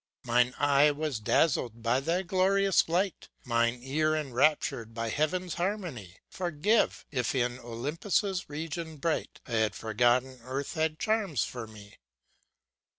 ŌĆ×Mine eye was dazzled by thy glorious light, Mine ear enraptured by Heaven's harmony; Forgive, if, in Olympus' region bright, I had forgotten, Earth had charms for me."